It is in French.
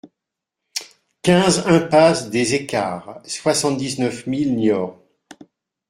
quinze impasse des Equarts, soixante-dix-neuf mille Niort